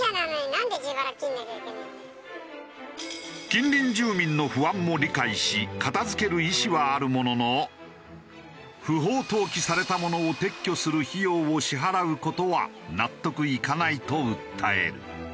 近隣住民の不安も理解し不法投棄されたものを撤去する費用を支払う事は納得いかないと訴える。